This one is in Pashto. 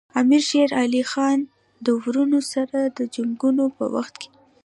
امیر شېر علي خان د وروڼو سره د جنګونو په وخت کې.